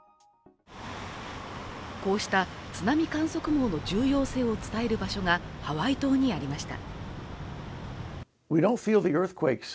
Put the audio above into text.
こうした津波観測網の重要性を伝える場所がハワイ島にありました。